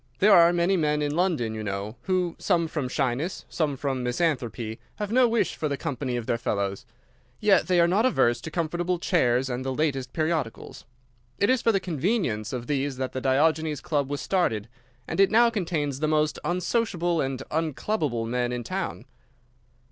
There are many men in London, you know, who, some from shyness, some from misanthropy, have no wish for the company of their fellows. Yet they are not averse to comfortable chairs and the latest periodicals. It is for the convenience of these that the Diogenes Club was started, and it now contains the most unsociable and unclubable men in town.